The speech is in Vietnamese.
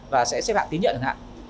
và sẽ xếp hạng tín nhận